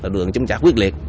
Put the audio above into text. đường chống trả quyết liệt